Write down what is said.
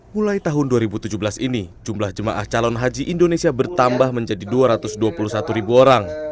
mulai tahun dua ribu tujuh belas ini jumlah jemaah calon haji indonesia bertambah menjadi dua ratus dua puluh satu ribu orang